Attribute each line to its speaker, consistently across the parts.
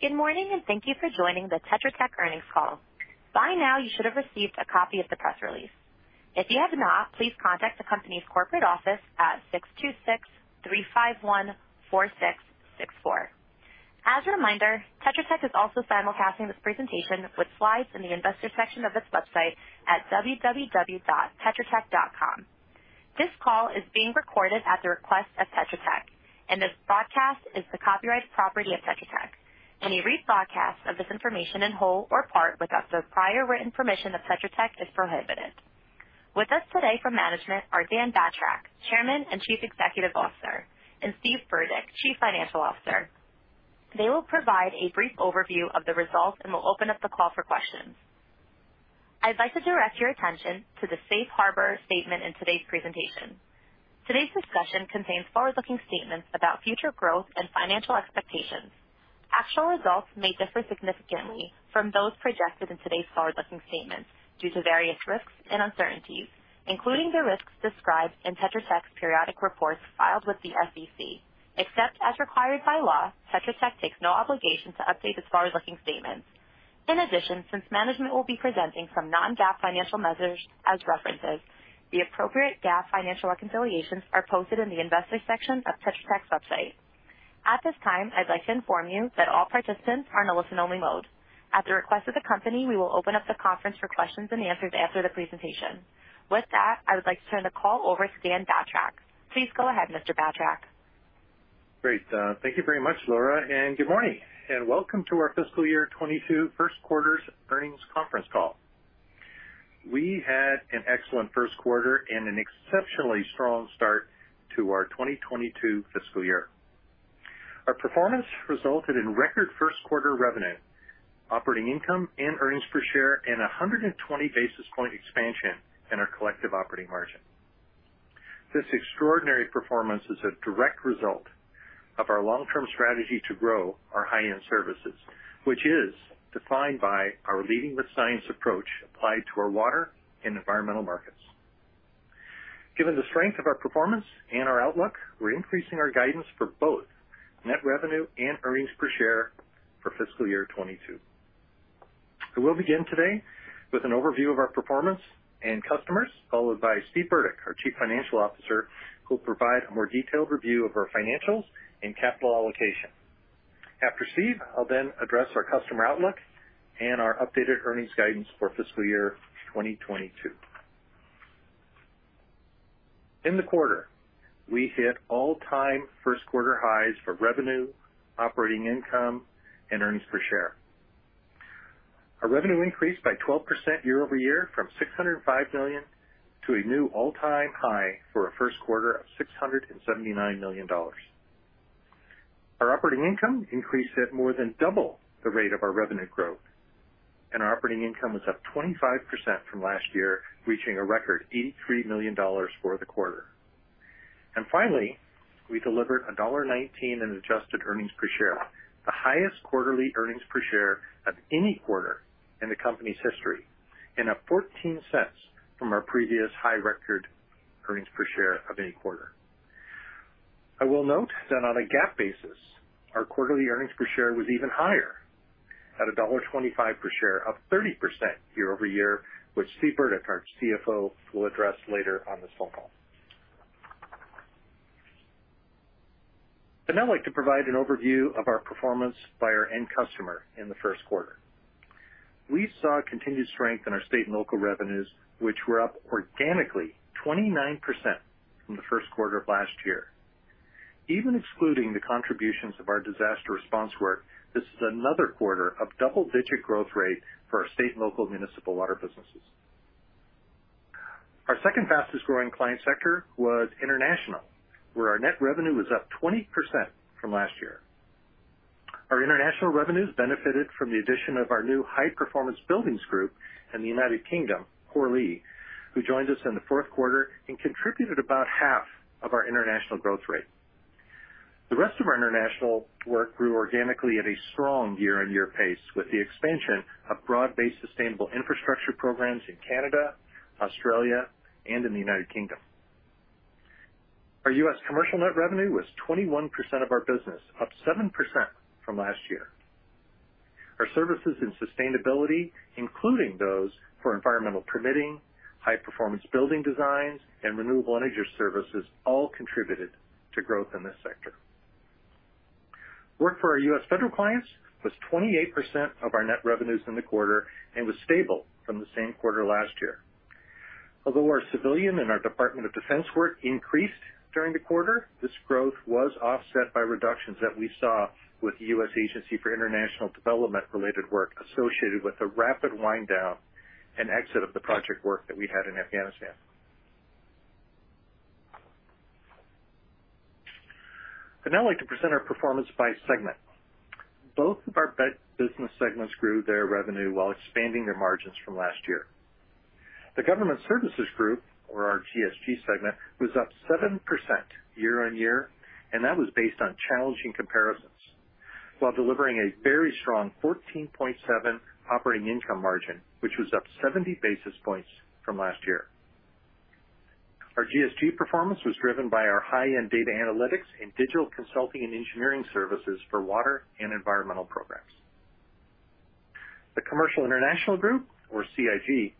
Speaker 1: Good morning, and thank you for joining the Tetra Tech Earnings Call. By now, you should have received a copy of the press release. If you have not, please contact the company's corporate office at 626-351-4664. As a reminder, Tetra Tech is also simulcasting this presentation with slides in the Investor section of its website at www.tetratech.com. This call is being recorded at the request of Tetra Tech, and this broadcast is the copyright property of Tetra Tech. Any rebroadcast of this information in whole or part without the prior written permission of Tetra Tech is prohibited. With us today from management are Dan Batrack, Chairman and Chief Executive Officer, and Steve Burdick, Chief Financial Officer. They will provide a brief overview of the results and will open up the call for questions. I'd like to direct your attention to the safe harbor statement in today's presentation. Today's discussion contains forward-looking statements about future growth and financial expectations. Actual results may differ significantly from those projected in today's forward-looking statements due to various risks and uncertainties, including the risks described in Tetra Tech's periodic reports filed with the SEC. Except as required by law, Tetra Tech takes no obligation to update its forward-looking statements. In addition, since management will be presenting some non-GAAP financial measures as references, the appropriate GAAP financial reconciliations are posted in the Investor section of Tetra Tech's website. At this time, I'd like to inform you that all participants are in listen-only mode. At the request of the company, we will open up the conference for questions and answers after the presentation. With that, I would like to turn the call over to Dan Batrack. Please go ahead, Mr. Batrack.
Speaker 2: Great. Thank you very much, Laura, and good morning. Welcome to our Fiscal Year 2022 First Quarter Earnings Conference Call. We had an excellent first quarter and an exceptionally strong start to our 2022 fiscal year. Our performance resulted in record first-quarter revenue, operating income, and earnings per share, and a 120 basis point expansion in our collective operating margin. This extraordinary performance is a direct result of our long-term strategy to grow our high-end services, which is defined by our Leading with Science approach applied to our water and environmental markets. Given the strength of our performance and our outlook, we're increasing our guidance for both net revenue and earnings per share for fiscal year 2022. I will begin today with an overview of our performance and customers, followed by Steve Burdick, our Chief Financial Officer, who will provide a more detailed review of our financials and capital allocation. After Steve, I'll then address our customer outlook and our updated earnings guidance for fiscal year 2022. In the quarter, we hit all-time first-quarter highs for revenue, operating income, and earnings per share. Our revenue increased by 12% year-over-year from $605 million to a new all-time high for a first quarter of $679 million. Our operating income increased at more than double the rate of our revenue growth, and our operating income was up 25% from last year, reaching a record $83 million for the quarter. Finally, we delivered $1.19 in adjusted earnings per share, the highest quarterly earnings per share of any quarter in the company's history, and up $0.14 from our previous high record earnings per share of any quarter. I will note that on a GAAP basis, our quarterly earnings per share was even higher, at $1.25 per share, up 30% year-over-year, which Steve Burdick, our CFO, will address later on this phone call. I'd now like to provide an overview of our performance by our end customer in the first quarter. We saw continued strength in our state and local revenues, which were up organically 29% from the first quarter of last year. Even excluding the contributions of our disaster response work, this is another quarter of double-digit growth rate for our state and local municipal water businesses. Our second fastest growing client sector was international, where our net revenue was up 20% from last year. Our international revenues benefited from the addition of our new high-performance buildings group in the United Kingdom, Hoare Lea, who joined us in the fourth quarter and contributed about half of our international growth rate. The rest of our international work grew organically at a strong year-on-year pace with the expansion of broad-based sustainable infrastructure programs in Canada, Australia, and in the United Kingdom. Our U.S. commercial net revenue was 21% of our business, up 7% from last year. Our services and sustainability, including those for environmental permitting, high-performance building designs, and renewable energy services, all contributed to growth in this sector. Work for our U.S. federal clients was 28% of our net revenues in the quarter and was stable from the same quarter last year. Although our civilian and our Department of Defense work increased during the quarter, this growth was offset by reductions that we saw with the U.S. Agency for International Development-related work associated with the rapid wind-down and exit of the project work that we had in Afghanistan. I'd now like to present our performance by segment. Both of our business segments grew their revenue while expanding their margins from last year. The Government Services Group, or our GSG segment, was up 7% year-on-year, and that was based on challenging comparisons while delivering a very strong 14.7% operating income margin, which was up 70 basis points from last year. Our GSG performance was driven by our high-end data analytics and digital consulting and engineering services for water and environmental programs. The Commercial International Group, or CIG,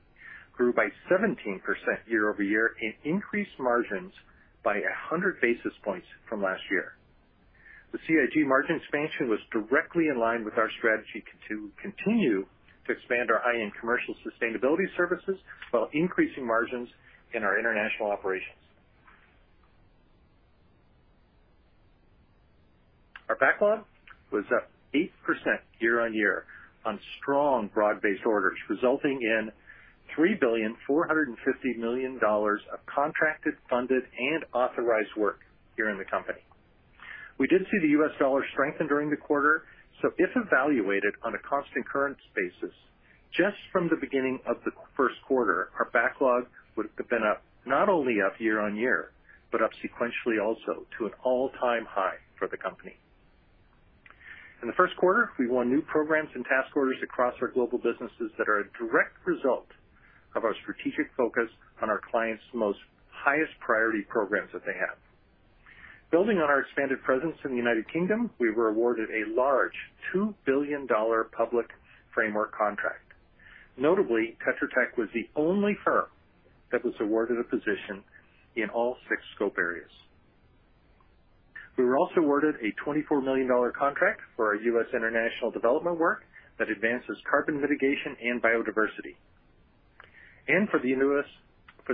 Speaker 2: grew by 17% year-over-year and increased margins by 100 basis points from last year. The CIG margin expansion was directly in line with our strategy to continue to expand our high-end commercial sustainability services while increasing margins in our international operations. Our backlog was up 8% year-on-year on strong, broad-based orders, resulting in $3.45 billion of contracted, funded, and authorized work here in the company. We did see the U.S. dollar strengthen during the quarter, so if evaluated on a constant currency basis, just from the beginning of the first quarter, our backlog would have been up, not only up year-over-year, but up sequentially also to an all-time high for the company. In the first quarter, we won new programs and task orders across our global businesses that are a direct result of our strategic focus on our clients' most highest priority programs that they have. Building on our expanded presence in the U.K., we were awarded a large $2 billion public framework contract. Notably, Tetra Tech was the only firm that was awarded a position in all six scope areas. We were also awarded a $24 million contract for our U.S. international development work that advances carbon mitigation and biodiversity. For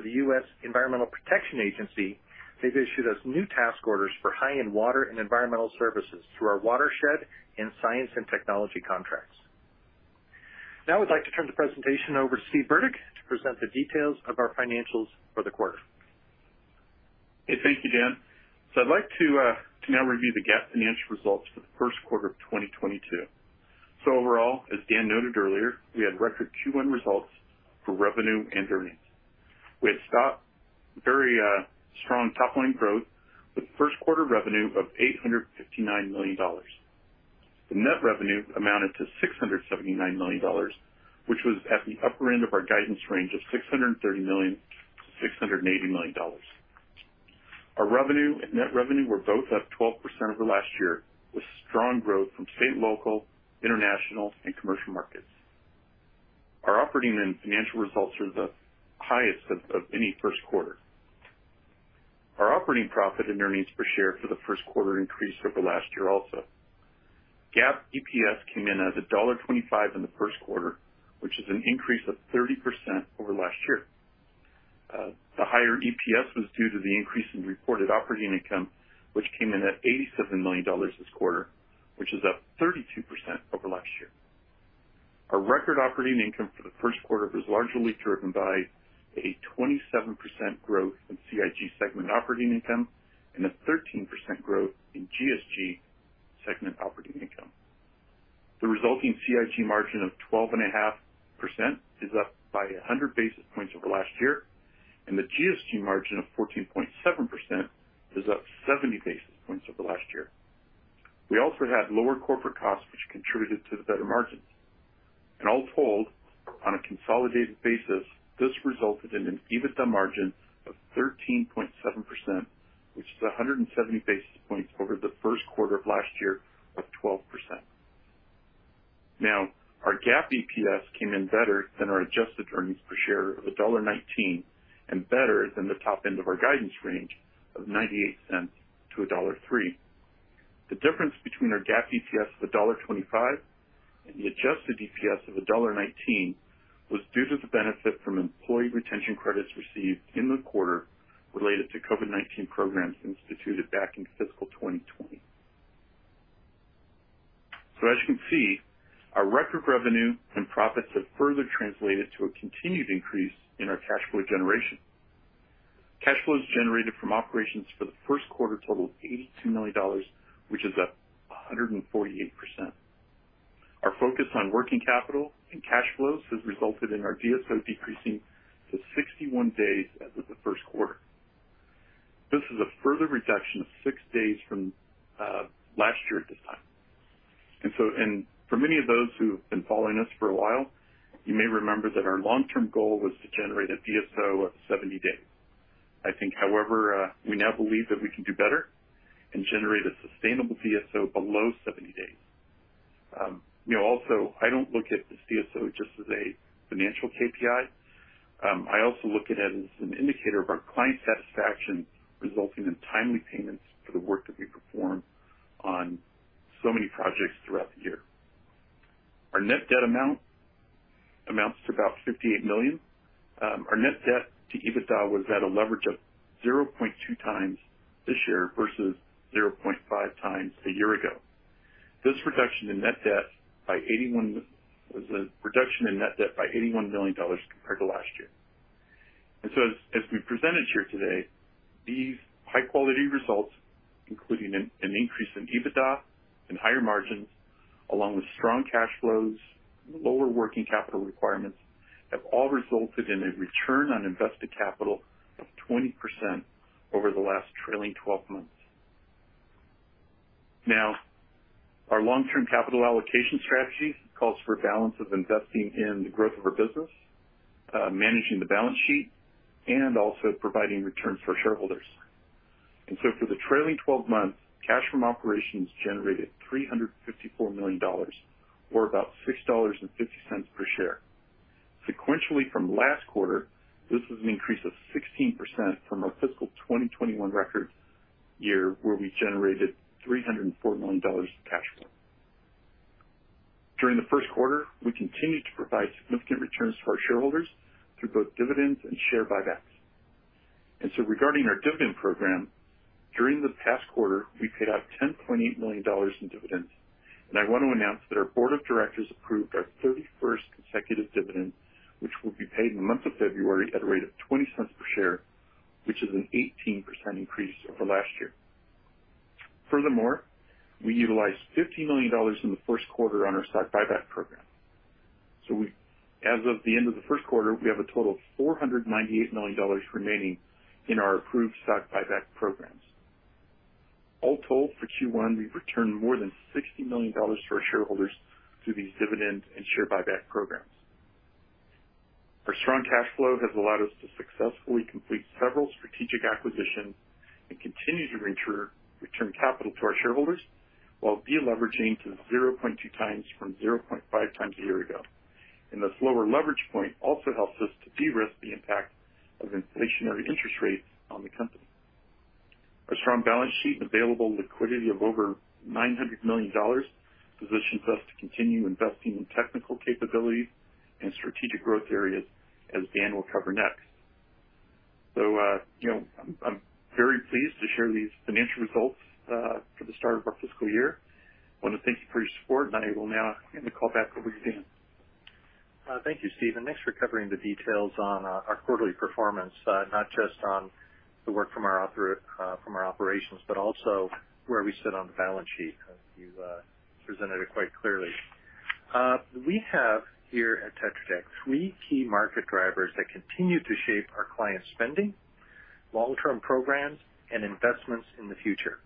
Speaker 2: the U.S. Environmental Protection Agency, they've issued us new task orders for high-end water and environmental services through our watershed and science and technology contracts. Now I'd like to turn the presentation over to Steve Burdick to present the details of our financials for the quarter.
Speaker 3: Hey, thank you, Dan. I'd like to now review the GAAP financial results for the first quarter of 2022. Overall, as Dan noted earlier, we had record Q1 results for revenue and earnings. We had very strong top-line growth with first-quarter revenue of $859 million. The net revenue amounted to $679 million, which was at the upper end of our guidance range of $630 million-$680 million. Our revenue and net revenue were both up 12% over last year, with strong growth from state and local, international, and commercial markets. Our operating and financial results are the highest of any first quarter. Our operating profit and earnings per share for the first quarter increased over last year, also. GAAP EPS came in as $1.25 in the first quarter, which is an increase of 30% over last year. The higher EPS was due to the increase in reported operating income, which came in at $87 million this quarter, which is up 32% over last year. Our record operating income for the first quarter was largely driven by a 27% growth in CIG segment operating income and a 13% growth in GSG segment operating income. The resulting CIG margin of 12.5% is up by 100 basis points over last year, and the GSG margin of 14.7% is up 70 basis points over last year. We also had lower corporate costs, which contributed to the better margins. All told, on a consolidated basis, this resulted in an EBITDA margin of 13.7%, which is 170 basis points over the first quarter of last year of 12%. Our GAAP EPS came in better than our adjusted earnings per share of $1.19 and better than the top end of our guidance range of $0.98-$1.03. The difference between our GAAP EPS of $1.25 and the adjusted EPS of $1.19 was due to the benefit from employee retention credits received in the quarter related to COVID-19 programs instituted back in fiscal 2020. As you can see, our record revenue and profits have further translated to a continued increase in our cash flow generation. Cash flows generated from operations for the first quarter totaled $82 million, which is up 148%. Our focus on working capital and cash flows has resulted in our DSO decreasing to 61 days as of the first quarter. This is a further reduction of 6 days from last year at this time. For many of those who have been following us for a while, you may remember that our long-term goal was to generate a DSO of 70 days. I think, however, we now believe that we can do better and generate a sustainable DSO below 70 days. You know, also, I don't look at the DSO just as a financial KPI. I also look at it as an indicator of our client satisfaction, resulting in timely payments for the work that we perform on so many projects throughout the year. Our net debt amounts to about $58 million. Our net debt to EBITDA was at a leverage of 0.2x this year versus 0.5x a year ago. This reduction in net debt by $81 million dollars compared to last year. As we presented here today, these high-quality results, including an increase in EBITDA and higher margins, along with strong cash flows, lower working capital requirements, have all resulted in a return on invested capital of 20% over the last trailing twelve months. Now, our long-term capital allocation strategy calls for a balance of investing in the growth of our business, managing the balance sheet, and also providing returns for shareholders. For the trailing twelve months, cash from operations generated $354 million or about $6.50 per share. Sequentially from last quarter, this was an increase of 16% from our fiscal 2021 record year, where we generated $304 million in cash flow. During the first quarter, we continued to provide significant returns to our shareholders through both dividends and share buybacks. Regarding our dividend program, during the past quarter, we paid out $10.8 million in dividends. I want to announce that our board of directors approved our 31st consecutive dividend, which will be paid in the month of February at a rate of $0.20 per share, which is an 18% increase over last year. Furthermore, we utilized $50 million in the first quarter on our stock buyback program. As of the end of the first quarter, we have a total of $498 million remaining in our approved stock buyback programs. All told, for Q1, we've returned more than $60 million to our shareholders through these dividend and share buyback programs. Our strong cash flow has allowed us to successfully complete several strategic acquisitions and continue to return capital to our shareholders while de-leveraging to 0.2x from 0.5x a year ago. The slower leverage point also helps us to de-risk the impact of inflationary interest rates on the company. Our strong balance sheet and available liquidity of over $900 million positions us to continue investing in technical capabilities and strategic growth areas, as Dan will cover next. You know, I'm very pleased to share these financial results for the start of our fiscal year. I wanna thank you for your support, and I will now hand the call back over to Dan.
Speaker 2: Thank you, Steve, and thanks for covering the details on our quarterly performance, not just on the work from our operations, but also where we sit on the balance sheet. You presented it quite clearly. We have here at Tetra Tech three key market drivers that continue to shape our clients' spending, long-term programs, and investments in the future.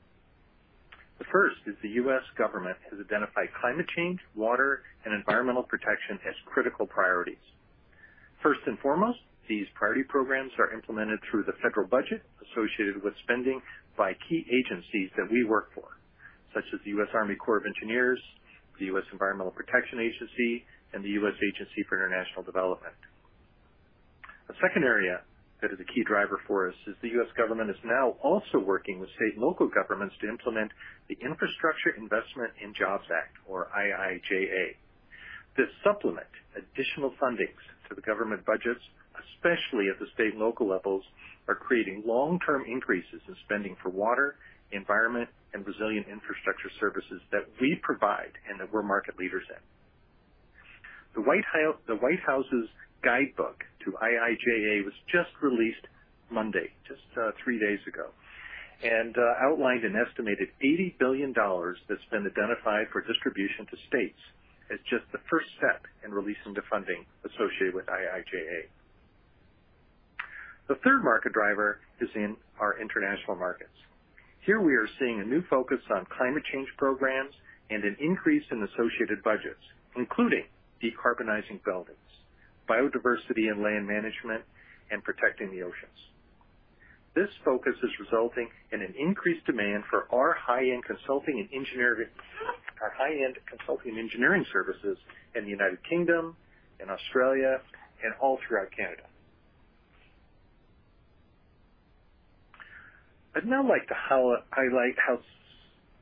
Speaker 2: The first is the U.S. government has identified climate change, water, and environmental protection as critical priorities. First and foremost, these priority programs are implemented through the federal budget associated with spending by key agencies that we work for, such as the U.S. Army Corps of Engineers, the U.S. Environmental Protection Agency, and the U.S. Agency for International Development. A second area that is a key driver for us is the U.S. government is now also working with state and local governments to implement the Infrastructure Investment and Jobs Act, or IIJA. This supplement, additional fundings to the government budgets, especially at the state and local levels, are creating long-term increases in spending for water, environment, and resilient infrastructure services that we provide and that we're market leaders in. The White House's guidebook to IIJA was just released Monday, three days ago, and outlined an estimated $80 billion that's been identified for distribution to states as just the first step in releasing the funding associated with IIJA. The third market driver is in our international markets. Here we are seeing a new focus on climate change programs and an increase in associated budgets, including decarbonizing buildings, biodiversity and land management, and protecting the oceans. This focus is resulting in an increased demand for our high-end consulting and engineering, our high-end consulting engineering services in the United Kingdom and Australia and all throughout Canada. I'd now like to highlight how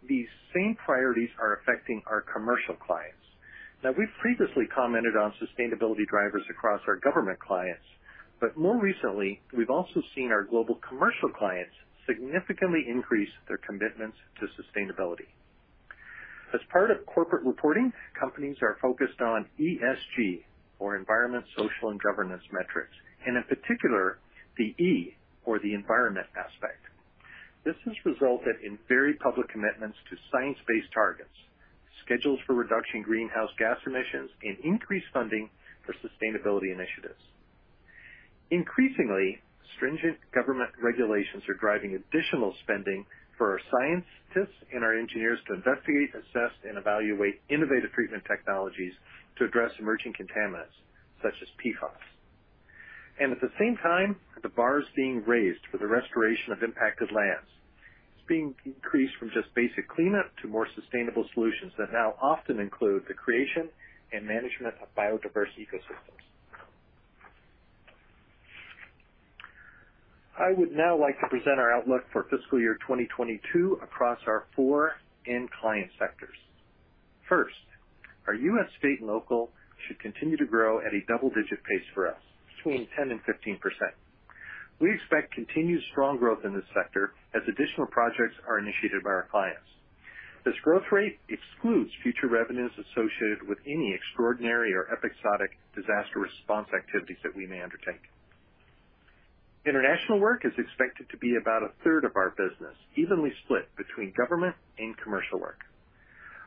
Speaker 2: these same priorities are affecting our commercial clients. We've previously commented on sustainability drivers across our government clients, but more recently, we've also seen our global commercial clients significantly increase their commitments to sustainability. As part of corporate reporting, companies are focused on ESG or environment, social, and governance metrics, and in particular, the E or the environment aspect. This has resulted in very public commitments to science-based targets, schedules for reduction greenhouse gas emissions, and increased funding for sustainability initiatives. Increasingly stringent government regulations are driving additional spending for our scientists and our engineers to investigate, assess, and evaluate innovative treatment technologies to address emerging contaminants such as PFOS. At the same time, the bar is being raised for the restoration of impacted lands. It's being increased from just basic cleanup to more sustainable solutions that now often include the creation and management of biodiverse ecosystems. I would now like to present our outlook for fiscal year 2022 across our four end client sectors. First, our U.S. state and local should continue to grow at a double-digit pace for us between 10% and 15%. We expect continued strong growth in this sector as additional projects are initiated by our clients. This growth rate excludes future revenues associated with any extraordinary or episodic disaster response activities that we may undertake. International work is expected to be about a third of our business, evenly split between government and commercial work.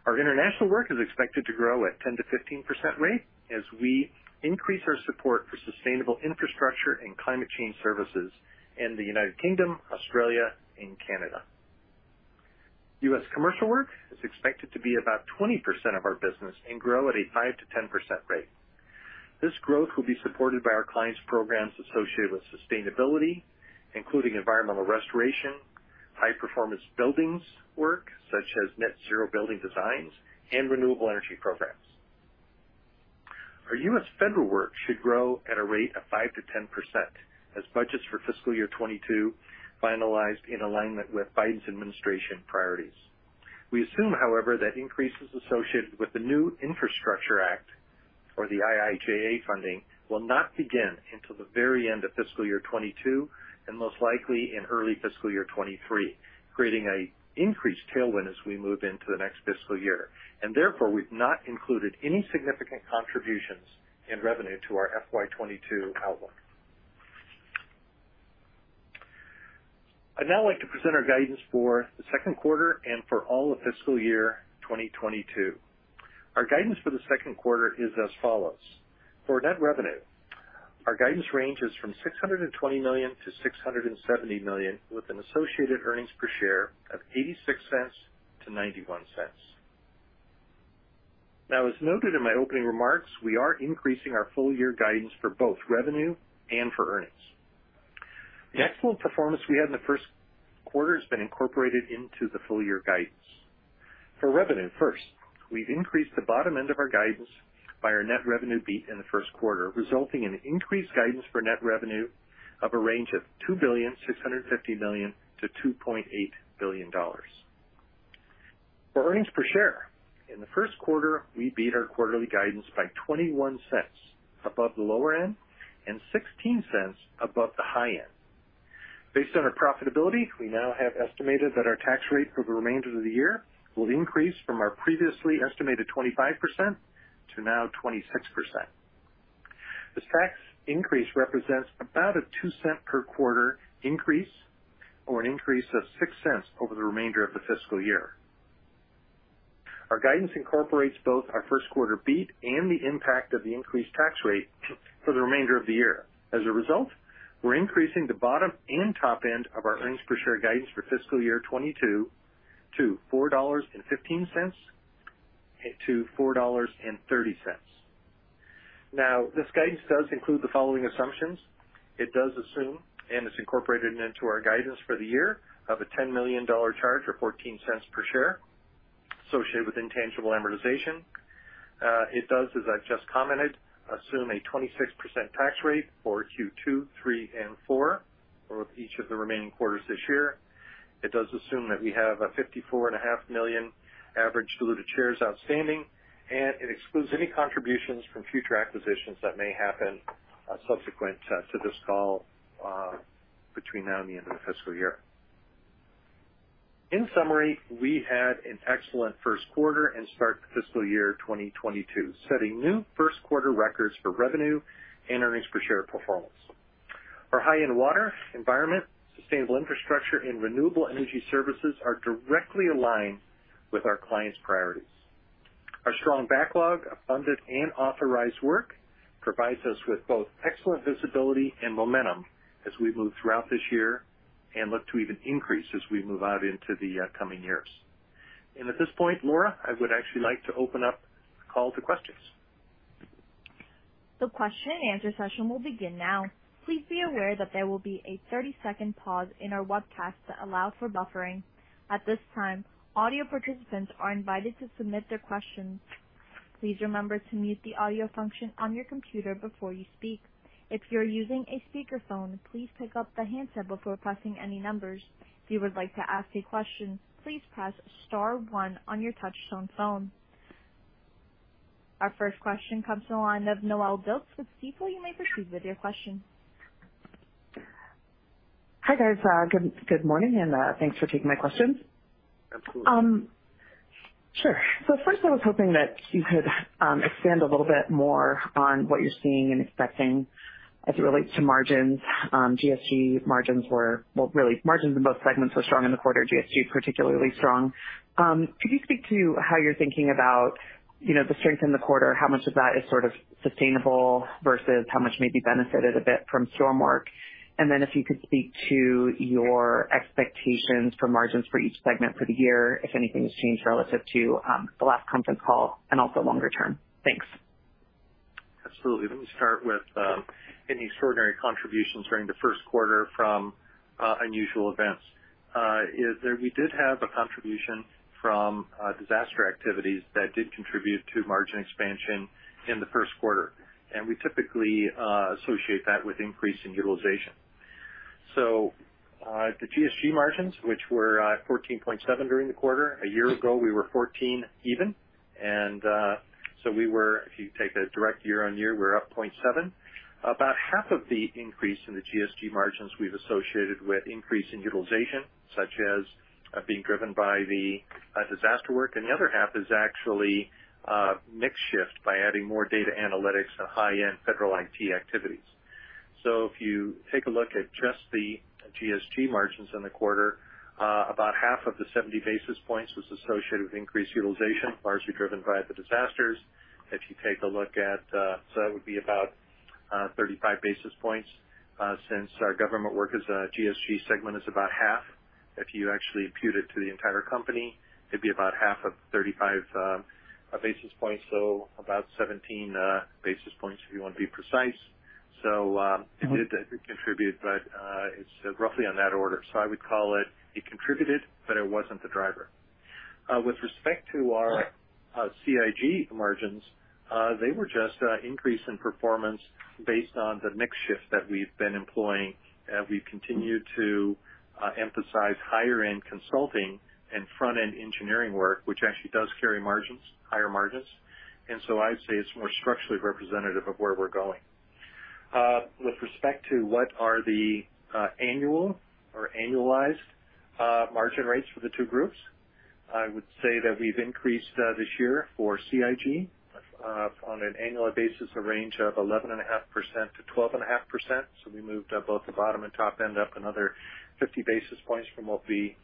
Speaker 2: Our international work is expected to grow at 10%-15% rate as we increase our support for sustainable infrastructure and climate change services in the United Kingdom, Australia, and Canada. U.S. commercial work is expected to be about 20% of our business and grow at a 5%-10% rate. This growth will be supported by our clients' programs associated with sustainability, including environmental restoration, high-performance buildings work such as net-zero building designs, and renewable energy programs. Our U.S. federal work should grow at a rate of 5%-10% as budgets for fiscal year 2022 finalized in alignment with Biden's administration priorities. We assume, however, that increases associated with the new Infrastructure Act or the IIJA funding will not begin until the very end of fiscal year 2022 and most likely in early fiscal year 2023, creating an increased tailwind as we move into the next fiscal year. Therefore, we've not included any significant contributions in revenue to our FY 2022 outlook. I'd now like to present our guidance for the second quarter and for all of fiscal year 2022. Our guidance for the second quarter is as follows. For net revenue, our guidance range is from $620 million-$670 million, with an associated earnings per share of $0.86-$0.91. Now, as noted in my opening remarks, we are increasing our full-year guidance for both revenue and for earnings. The excellent performance we had in the first quarter has been incorporated into the full-year guidance. For revenue first, we've increased the bottom end of our guidance by our net revenue beat in the first quarter, resulting in increased guidance for net revenue of a range of $2.65 billion-$2.8 billion. For earnings per share, in the first quarter, we beat our quarterly guidance by $0.21 above the lower end and $0.16 above the high end. Based on our profitability, we now have estimated that our tax rate for the remainder of the year will increase from our previously estimated 25% to now 26%. This tax increase represents about a $0.02 per quarter increase or an increase of $0.06 over the remainder of the fiscal year. Our guidance incorporates both our first-quarter beat and the impact of the increased tax rate for the remainder of the year. As a result, we're increasing the bottom and top end of our earnings per share guidance for fiscal year 2022 to $4.15-$4.30. Now, this guidance does include the following assumptions. It does assume, and it's incorporated into our guidance for the year, of a $10 million charge or $0.14 per share associated with intangible amortization. It does, as I've just commented, assume a 26% tax rate for Q2, Q3, and Q4 for each of the remaining quarters this year. It does assume that we have a 54.5 million average diluted shares outstanding, and it excludes any contributions from future acquisitions that may happen, subsequent, to this call, between now and the end of the fiscal year. In summary, we had an excellent first quarter and start to fiscal year 2022, setting new first quarter records for revenue and earnings per share performance. Our high-end water environment, sustainable infrastructure, and renewable energy services are directly aligned with our clients' priorities. Our strong backlog of funded and authorized work provides us with both excellent visibility and momentum as we move throughout this year and look to even increase as we move out into the coming years. At this point, Laura, I would actually like to open up the call to questions.
Speaker 1: The question and answer session will begin now. Please be aware that there will be a 30-second pause in our webcast to allow for buffering. At this time, audio participants are invited to submit their questions. Please remember to mute the audio function on your computer before you speak. If you're using a speakerphone, please pick up the handset before pressing any numbers. If you would like to ask a question, please press star one on your touchtone phone. Our first question comes on the line of Noelle Dilts with Stifel. You may proceed with your question.
Speaker 4: Hi, guys. Good morning, and thanks for taking my questions.
Speaker 2: Absolutely.
Speaker 4: Sure. First, I was hoping that you could expand a little bit more on what you're seeing and expecting as it relates to margins. Well, really, margins in both segments were strong in the quarter, GSG particularly strong. Could you speak to how you're thinking about, you know, the strength in the quarter, how much of that is sort of sustainable versus how much maybe benefited a bit from storm work? Then if you could speak to your expectations for margins for each segment for the year, if anything's changed relative to the last conference call and also longer term. Thanks.
Speaker 2: Absolutely. Let me start with any extraordinary contributions during the first quarter from unusual events. We did have a contribution from disaster activities that did contribute to margin expansion in the first quarter, and we typically associate that with increase in utilization. The GSG margins, which were 14.7% during the quarter. A year ago, we were 14%. We were, if you take a direct year-on-year, up 0.7%. About half of the increase in the GSG margins we've associated with increase in utilization, such as being driven by the disaster work. The other half is actually mix shift by adding more data analytics to high-end federal IT activities. If you take a look at just the GSG margins in the quarter, about half of the 70 basis points was associated with increased utilization, largely driven by the disasters. That would be about 35 basis points, since our government work as a GSG segment is about half. If you actually impute it to the entire company, it'd be about half of 35 basis points, so about 17 basis points if you wanna be precise. It did contribute, but it's roughly on that order. I would call it contributed, but it wasn't the driver. With respect to our CIG margins, they were just an increase in performance based on the mix shift that we've been employing as we've continued to emphasize higher end consulting and front-end engineering work, which actually does carry margins, higher margins. I'd say it's more structurally representative of where we're going. With respect to what are the annual or annualized margin rates for the two groups, I would say that we've increased this year for CIG on an annual basis, a range of 11.5%-12.5%. We moved both the bottom and top end up another 50 basis points from what we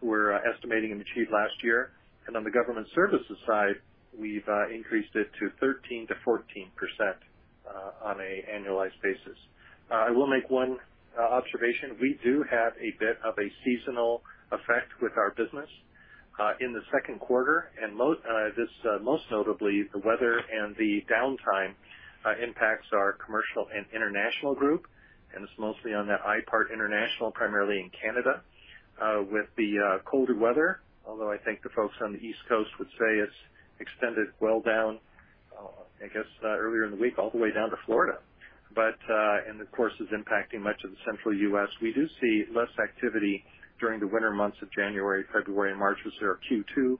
Speaker 2: were estimating and achieved last year. On the government services side, we've increased it to 13%-14% on an annualized basis. I will make one observation. We do have a bit of a seasonal effect with our business in the second quarter, and this most notably the weather and the downtime impacts our Commercial and International Group, and it's mostly on the I part international, primarily in Canada with the colder weather. Although I think the folks on the East Coast would say it's extended well down, I guess earlier in the week, all the way down to Florida. Of course, it's impacting much of the central U.S. We do see less activity during the winter months of January, February and March, which are our Q2.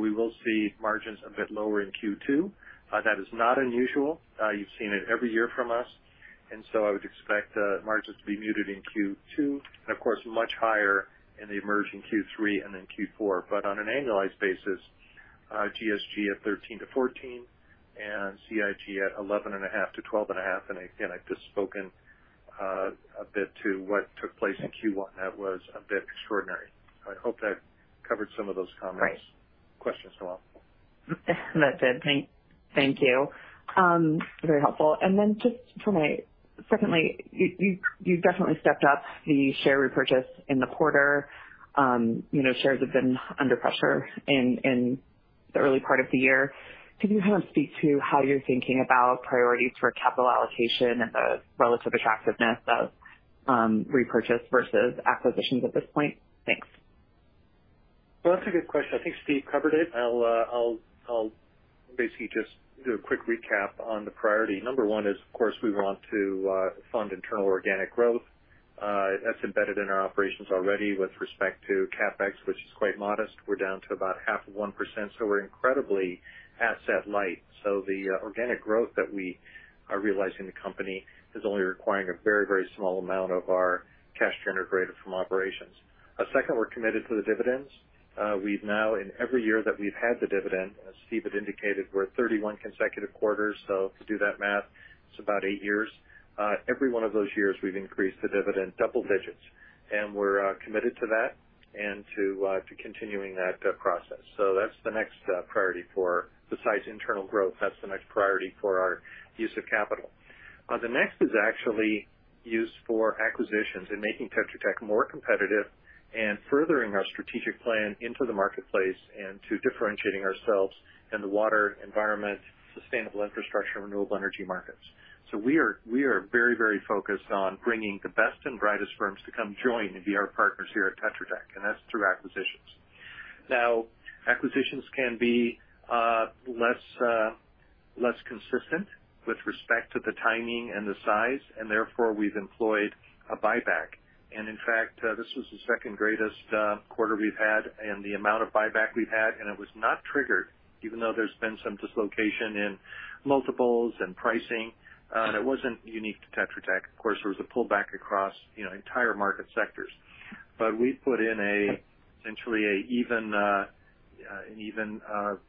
Speaker 2: We will see margins a bit lower in Q2. That is not unusual. You've seen it every year from us. I would expect margins to be muted in Q2 and of course, much higher in the emerging Q3 and then Q4. On an annualized basis, GSG at 13%-14% and CIG at 11.5%-12.5%. Again, I've just spoken a bit to what took place in Q1 that was a bit extraordinary. I hope that covered some of those comments. Great Questions, Noelle.
Speaker 4: That did. Thank you. Very helpful. Secondly, you've definitely stepped up the share repurchase in the quarter. You know, shares have been under pressure in the early part of the year. Can you kind of speak to how you're thinking about priorities for capital allocation and the relative attractiveness of repurchase versus acquisitions at this point? Thanks.
Speaker 2: Well, that's a good question. I think Steve covered it. I'll basically just do a quick recap on the priority. Number one is, of course, we want to fund internal organic growth. That's embedded in our operations already with respect to CapEx, which is quite modest. We're down to about half of 1%, so we're incredibly asset-light. The organic growth that we are realizing the company is only requiring a very, very small amount of our cash generated from operations. Second, we're committed to the dividends. We've now in every year that we've had the dividend, as Steve had indicated, we're at 31 consecutive quarters. If you do that math, it's about 8 years. Every one of those years, we've increased the dividend double digits, and we're committed to that and to continuing that process. That's the next priority for, besides internal growth, that's the next priority for our use of capital. The next is actually used for acquisitions and making Tetra Tech more competitive and furthering our strategic plan into the marketplace and to differentiating ourselves in the water environment, sustainable infrastructure, renewable energy markets. We are very focused on bringing the best and brightest firms to come join and be our partners here at Tetra Tech, and that's through acquisitions. Now, acquisitions can be less consistent with respect to the timing and the size, and therefore we've employed a buyback. In fact, this was the second greatest quarter we've had and the amount of buyback we've had, and it was not triggered, even though there's been some dislocation in multiples and pricing. That wasn't unique to Tetra Tech. Of course, there was a pullback across, you know, entire market sectors. We put in essentially an even purchase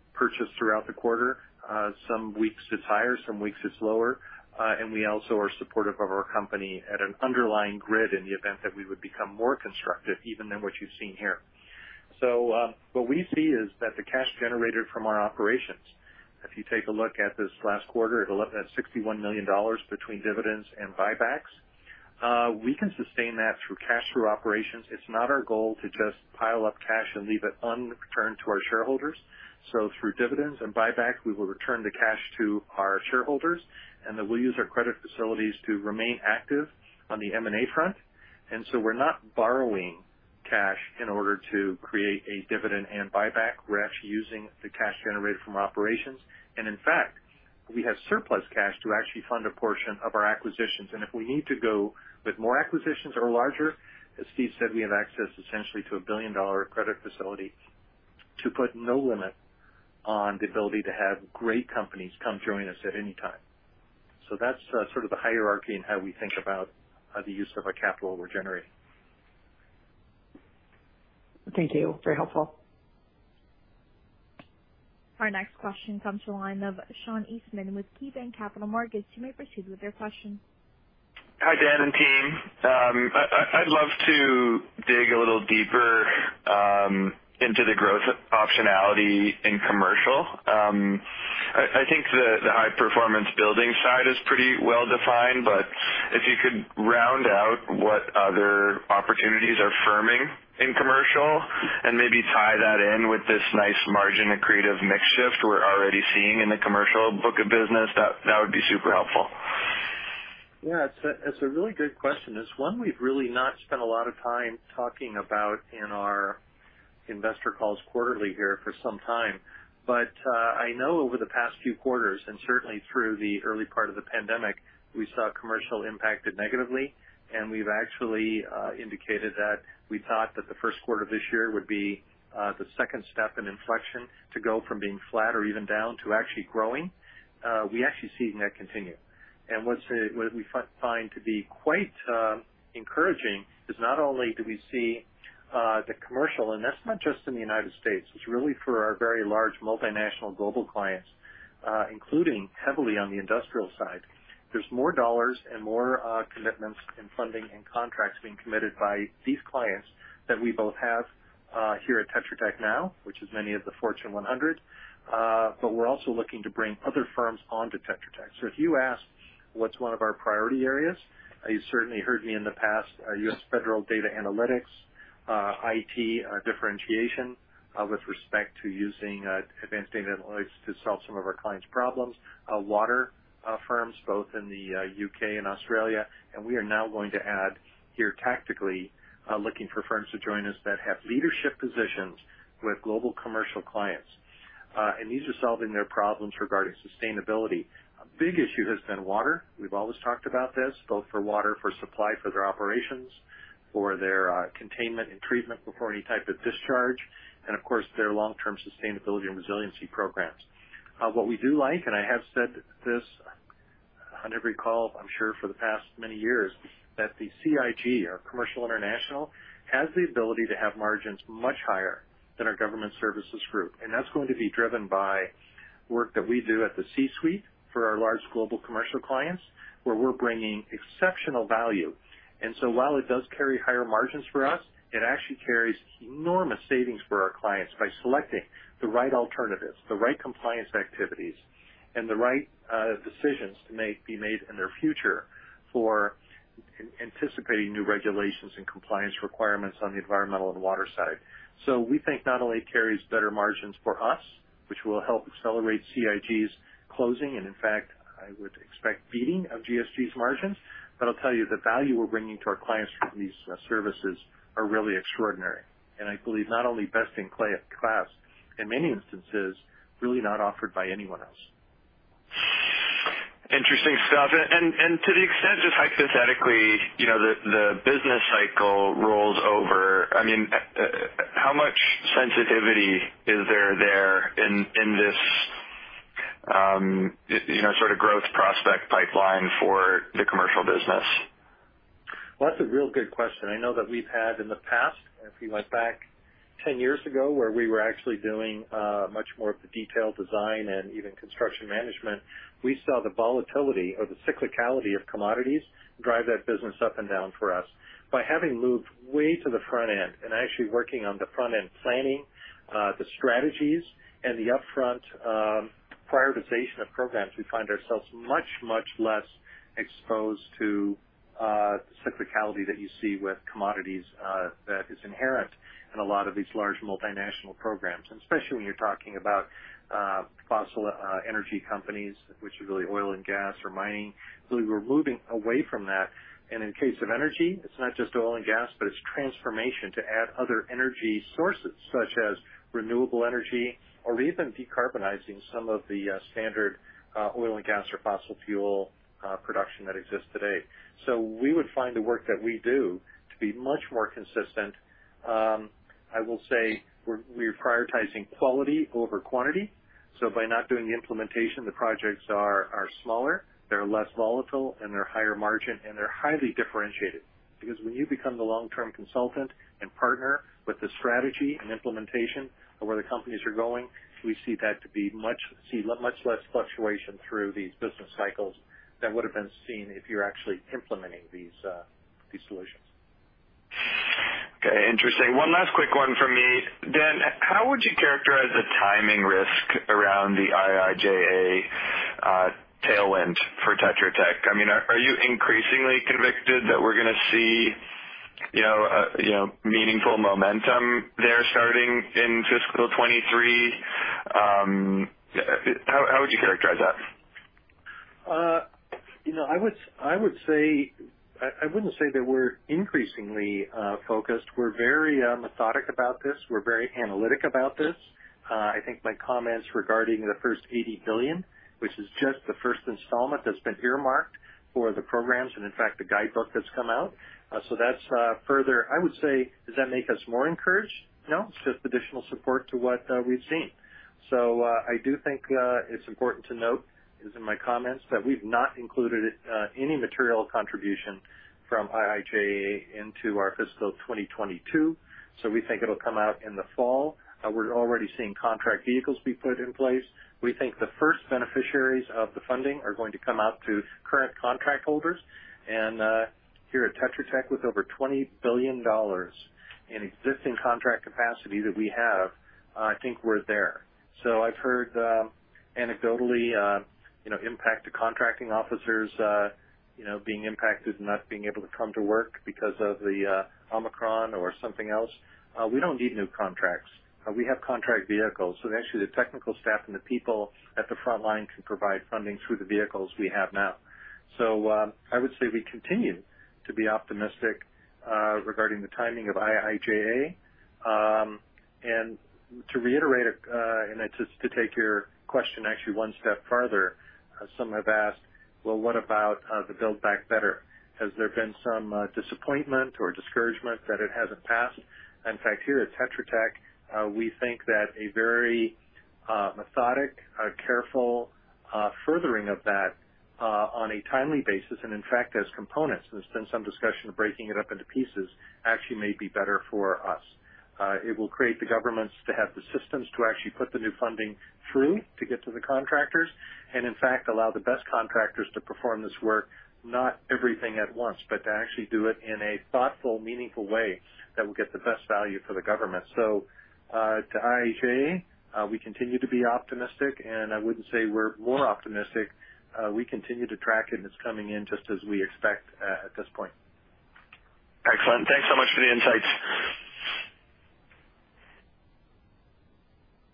Speaker 2: throughout the quarter. Some weeks it's higher, some weeks it's lower. We also are supportive of our company at an underlying bid in the event that we would become more constructive even than what you've seen here. What we see is that the cash generated from our operations, if you take a look at this last quarter at $61 million between dividends and buybacks, we can sustain that through cash from operations. It's not our goal to just pile up cash and leave it unreturned to our shareholders. Through dividends and buybacks, we will return the cash to our shareholders, and then we'll use our credit facilities to remain active on the M&A front. We're not borrowing cash in order to create a dividend and buyback. We're actually using the cash generated from operations. In fact, we have surplus cash to actually fund a portion of our acquisitions. If we need to go with more acquisitions or larger, as Steve said, we have access essentially to a billion-dollar credit facility to put no limit on the ability to have great companies come join us at any time. That's sort of the hierarchy in how we think about the use of our capital we're generating.
Speaker 4: Thank you. Very helpful.
Speaker 1: Our next question comes from the line of Sean Eastman with KeyBanc Capital Markets. You may proceed with your question.
Speaker 5: Hi, Dan and team. I'd love to dig a little deeper into the growth optionality in commercial. I think the high-performance building side is pretty well defined, but if you could round out what other opportunities are firming in commercial and maybe tie that in with this nice margin accretive mix shift we're already seeing in the commercial book of business, that would be super helpful.
Speaker 2: Yeah, it's a really good question. It's one we've really not spent a lot of time talking about in our investor calls quarterly here for some time. I know over the past few quarters, and certainly through the early part of the pandemic, we saw commercial impacted negatively. We've actually indicated that we thought that the first quarter of this year would be the second step in inflection to go from being flat or even down to actually growing. We actually seeing that continue. What we find to be quite encouraging is not only do we see the commercial, and that's not just in the United States, it's really for our very large multinational global clients, including heavily on the industrial side. There's more dollars and more commitments in funding and contracts being committed by these clients that we both have here at Tetra Tech now, which is many of the Fortune 100. We're also looking to bring other firms onto Tetra Tech. If you ask what's one of our priority areas, you certainly heard me in the past, our U.S. federal data analytics, IT, differentiation with respect to using advanced data analytics to solve some of our clients' problems, water firms both in the U.K. and Australia. We are now going to add here tactically looking for firms to join us that have leadership positions with global commercial clients. These are solving their problems regarding sustainability. A big issue has been water. We've always talked about this, both for water, for supply, for their operations, for their containment and treatment before any type of discharge, and of course, their long-term sustainability and resiliency programs. What we do like, and I have said this on every call, I'm sure, for the past many years, that the CIG or Commercial/International Group has the ability to have margins much higher than our Government Services Group. That's going to be driven by work that we do at the C-suite for our large global commercial clients, where we're bringing exceptional value. While it does carry higher margins for us, it actually carries enormous savings for our clients by selecting the right alternatives, the right compliance activities, and the right decisions to be made in their future for anticipating new regulations and compliance requirements on the environmental and water side. We think not only carries better margins for us, which will help accelerate CIG's closing, and in fact, I would expect beating of GSG's margins. I'll tell you, the value we're bringing to our clients through these services are really extraordinary. I believe not only best in class, in many instances, really not offered by anyone else.
Speaker 5: Interesting stuff. To the extent, if hypothetically, you know, the business cycle rolls over, I mean, how much sensitivity is there in this you know, sort of growth prospect pipeline for the commercial business?
Speaker 2: Well, that's a real good question. I know that we've had in the past, if we went back 10 years ago, where we were actually doing much more of the detailed design and even construction management. We saw the volatility or the cyclicality of commodities drive that business up and down for us. By having moved way to the front end and actually working on the front-end planning, the strategies and the upfront prioritization of programs, we find ourselves much, much less exposed to the cyclicality that you see with commodities, that is inherent in a lot of these large multinational programs, and especially when you're talking about fossil energy companies, which are really oil and gas or mining. We're moving away from that. In case of energy, it's not just oil and gas, but it's transformation to add other energy sources, such as renewable energy or even decarbonizing some of the standard oil and gas or fossil fuel production that exists today. We would find the work that we do to be much more consistent. I will say we're prioritizing quality over quantity. By not doing the implementation, the projects are smaller, they're less volatile, and they're higher margin, and they're highly differentiated. Because when you become the long-term consultant and partner with the strategy and implementation of where the companies are going, we see that to be much less fluctuation through these business cycles than would have been seen if you're actually implementing these solutions.
Speaker 5: Okay. Interesting. One last quick one for me. Dan, how would you characterize the timing risk around the IIJA tailwind for Tetra Tech? I mean, are you increasingly convicted that we're gonna see, you know, you know, meaningful momentum there starting in fiscal 2023? How would you characterize that?
Speaker 2: You know, I would say I wouldn't say that we're increasingly focused. We're very methodic about this. We're very analytic about this. I think my comments regarding the first $80 billion, which is just the first installment that's been earmarked for the programs, and in fact, the guidebook that's come out. So that's further. I would say, does that make us more encouraged? No. It's just additional support to what we've seen. I do think it's important to note, as in my comments, that we've not included any material contribution from IIJA into our fiscal 2022. We think it'll come out in the fall. We're already seeing contract vehicles be put in place. We think the first beneficiaries of the funding are going to come out to current contract holders. Here at Tetra Tech, with over $20 billion in existing contract capacity that we have, I think we're there. I've heard, anecdotally, you know, impact to contracting officers, you know, being impacted and not being able to come to work because of the Omicron or something else. We don't need new contracts. We have contract vehicles. Actually, the technical staff and the people at the front line can provide funding through the vehicles we have now. I would say we continue to be optimistic regarding the timing of IIJA. To reiterate, just to take your question actually one step farther, some have asked, "Well, what about the Build Back Better? Has there been some disappointment or discouragement that it hasn't passed? In fact, here at Tetra Tech, we think that a very methodical careful furthering of that on a timely basis, and in fact, as components, there's been some discussion of breaking it up into pieces, actually may be better for us. It will create the governments to have the systems to actually put the new funding through to get to the contractors and in fact, allow the best contractors to perform this work. Not everything at once, but to actually do it in a thoughtful, meaningful way that will get the best value for the government. To IIJA, we continue to be optimistic, and I wouldn't say we're more optimistic. We continue to track it, and it's coming in just as we expect at this point.
Speaker 5: Excellent. Thanks so much for the insights.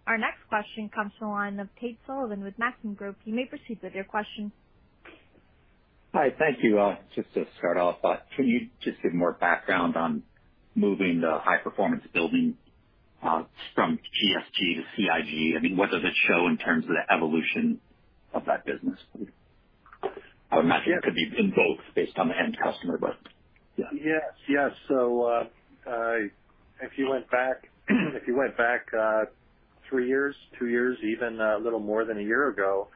Speaker 1: Our next question comes from the line of Tate Sullivan with Maxim Group. You may proceed with your question.
Speaker 6: Hi, thank you. Just to start off, can you just give more background on moving the high-performance building from GSG to CIG? I mean, what does it show in terms of the evolution of that business? I would imagine it could be in both based on the end customer, but yeah.
Speaker 2: Yes. If you went back 3 years, 2 years, even a little more than a year ago,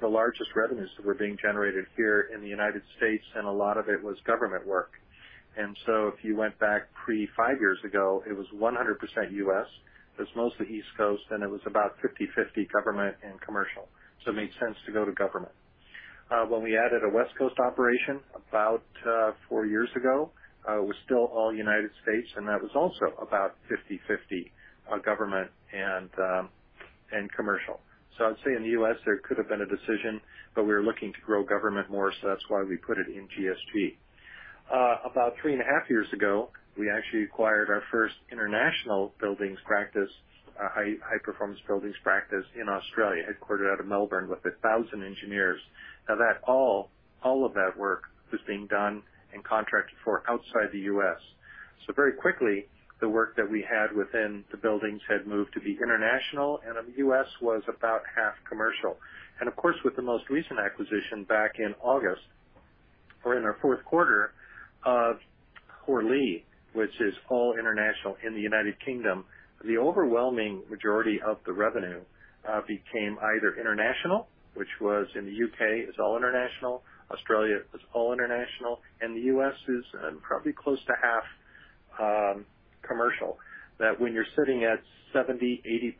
Speaker 2: the largest revenues were being generated here in the United States, and a lot of it was government work. If you went back pre-5 years ago, it was 100% U.S. It was mostly East Coast, and it was about 50/50 government and commercial. It made sense to go to government. When we added a West Coast operation about 4 years ago, it was still all United States, and that was also about 50/50 government and commercial. I'd say in the U.S. there could have been a decision, but we were looking to grow government more, so that's why we put it in GSG. About 3.5 years ago, we actually acquired our first international buildings practice, high-performance buildings practice in Australia, headquartered out of Melbourne with 1,000 engineers. Now that all of that work was being done and contracted for outside the U.S. Very quickly, the work that we had within the buildings had moved to be international, and U.S. was about half commercial. Of course, with the most recent acquisition back in August or in our fourth quarter of Hoare Lea, which is all international in the United Kingdom, the overwhelming majority of the revenue became either international, which was in the U.K., is all international. Australia is all international, and the U.S. is probably close to half commercial. That when you're sitting at 70%-80%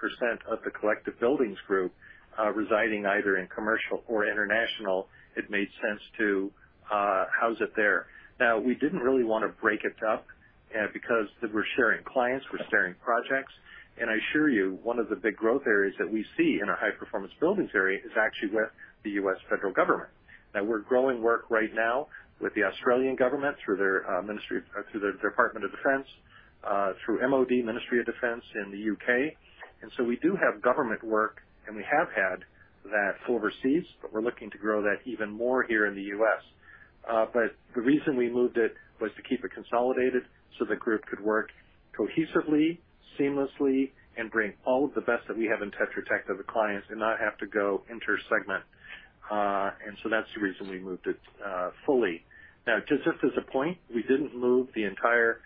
Speaker 2: of the collective buildings group, residing either in commercial or international, it made sense to house it there. Now, we didn't really wanna break it up, because we're sharing clients, we're sharing projects. I assure you, one of the big growth areas that we see in our high-performance buildings area is actually with the U.S. federal government. Now we're growing work right now with the Australian government through their Department of Defense, through MoD, Ministry of Defence in the U.K. We do have government work, and we have had that overseas, but we're looking to grow that even more here in the U.S. The reason we moved it was to keep it consolidated so the group could work cohesively, seamlessly and bring all of the best that we have in Tetra Tech to the clients and not have to go inter-segment. That's the reason we moved it fully. Now, just as a point, we didn't move the entire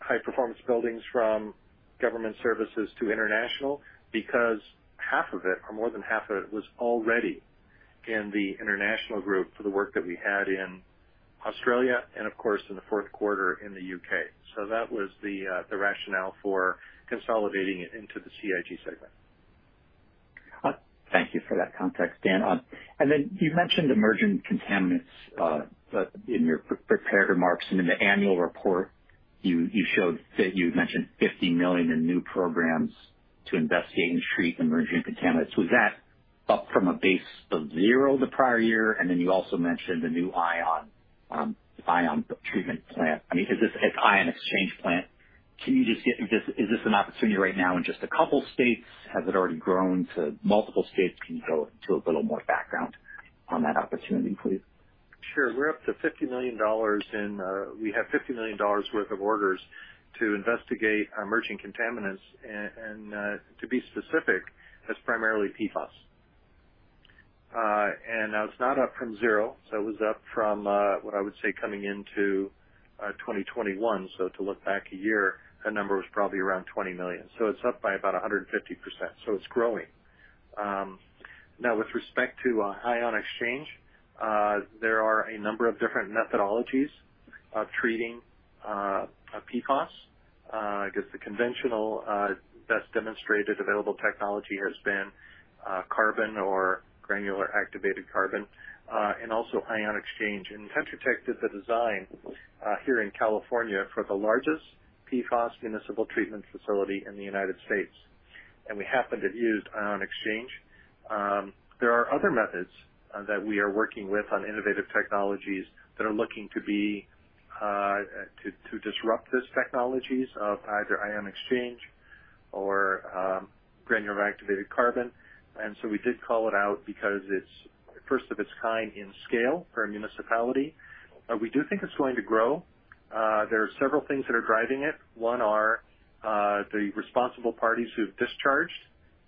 Speaker 2: high-performance buildings from government services to international because half of it or more than half of it was already in the international group for the work that we had in Australia and of course, in the fourth quarter in the U.K. That was the rationale for consolidating it into the CIG segment.
Speaker 6: Thank you for that context, Dan. You mentioned emerging contaminants in your pre-prepared remarks and in the annual report. You showed that you mentioned $50 million in new programs to investigate and treat emerging contaminants. Was that up from a base of zero the prior year? You also mentioned the new ion treatment plant. I mean, is this an ion exchange plant? Is this an opportunity right now in just a couple states? Has it already grown to multiple states? Can you go into a little more background on that opportunity, please?
Speaker 2: Sure. We're up to $50 million in. We have $50 million worth of orders to investigate emerging contaminants. To be specific, that's primarily PFAS. Now it's not up from zero. It was up from what I would say coming into 2021. To look back a year, that number was probably around $20 million. It's up by about 150%. It's growing. Now with respect to ion exchange, there are a number of different methodologies treating PFOS. I guess the conventional best demonstrated available technology has been carbon or granular activated carbon and also ion exchange. Tetra Tech did the design here in California for the largest PFOS municipal treatment facility in the United States. We happened to have used ion exchange. There are other methods that we are working with on innovative technologies that are looking to be to disrupt these technologies of either ion exchange or granular activated carbon. We did call it out because it's first of its kind in scale for a municipality. We do think it's going to grow. There are several things that are driving it. One are the responsible parties who've discharged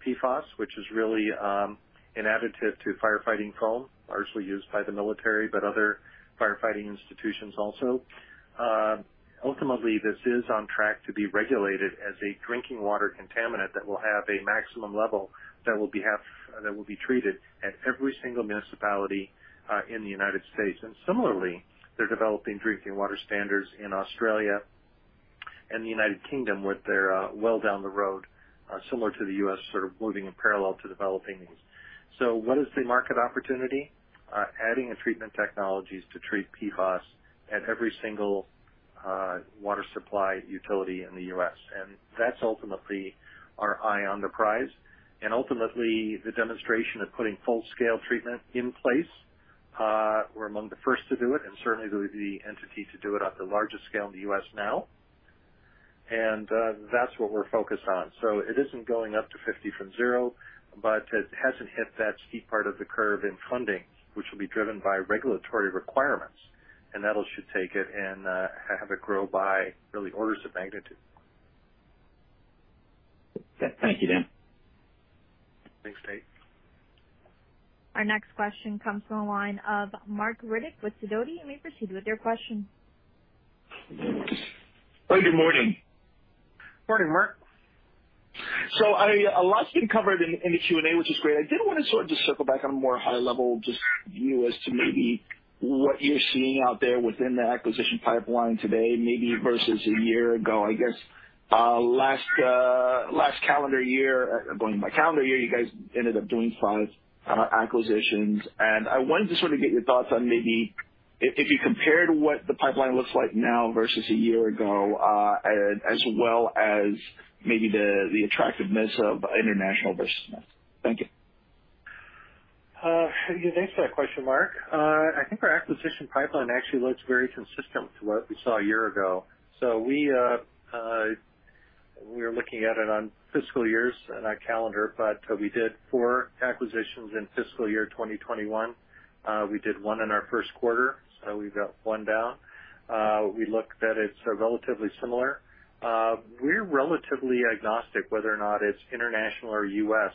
Speaker 2: PFOS, which is really an additive to firefighting foam, largely used by the military, but other firefighting institutions also. Ultimately, this is on track to be regulated as a drinking water contaminant that will have a maximum level that will be half that will be treated at every single municipality in the United States. Similarly, they're developing drinking water standards in Australia and the United Kingdom, where they're well down the road, similar to the U.S., sort of moving in parallel to developing these. What is the market opportunity? Adding a treatment technologies to treat PFOS at every single water supply utility in the U.S. That's ultimately our eye on the prize. Ultimately, the demonstration of putting full-scale treatment in place, we're among the first to do it, and certainly the entity to do it at the largest scale in the U.S. now. That's what we're focused on. It isn't going up to 50 from zero, but it hasn't hit that steep part of the curve in funding, which will be driven by regulatory requirements. That should take it and have it grow by really orders of magnitude.
Speaker 6: Thank you, Dan.
Speaker 2: Thanks, Tate.
Speaker 1: Our next question comes from the line of Marc Riddick with Sidoti. You may proceed with your question.
Speaker 7: Good morning.
Speaker 2: Morning, Marc.
Speaker 7: A lot's been covered in the Q&A, which is great. I did wanna sort of just circle back on a more high-level, just you as to maybe what you're seeing out there within the acquisition pipeline today, maybe versus a year ago. I guess last calendar year, going by calendar year, you guys ended up doing five acquisitions. I wanted to sort of get your thoughts on maybe if you compared what the pipeline looks like now versus a year ago, as well as maybe the attractiveness of international versus domestic. Thank you.
Speaker 2: Thanks for that question, Marc. I think our acquisition pipeline actually looks very consistent to what we saw a year ago. We're looking at it on fiscal years in our calendar, but we did 4 acquisitions in fiscal year 2021. We did 1 in our first quarter, so we've got 1 down. It looks relatively similar. We're relatively agnostic whether or not it's international or U.S.,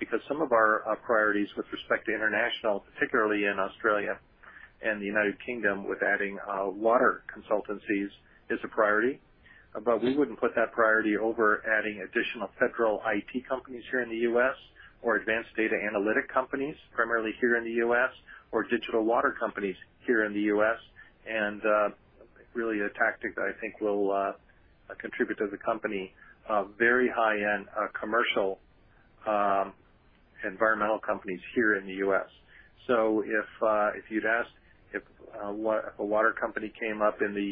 Speaker 2: because some of our priorities with respect to international, particularly in Australia and the United Kingdom, with adding water consultancies is a priority. We wouldn't put that priority over adding additional federal IT companies here in the U.S. or advanced data analytic companies, primarily here in the U.S., or digital water companies here in the U.S. Really a tactic that I think will contribute to the company very high-end commercial environmental companies here in the U.S. If you'd asked if a water company came up in the